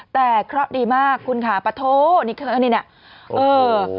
แต่เคราะห์ดีมากคุณค่ะปะโทนี่คืออันนี้เนี่ย